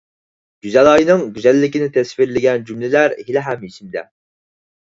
گۈزەلئاينىڭ گۈزەللىكىنى تەسۋىرلىگەن جۈملىلەر ھېلىھەم ئېسىمدە.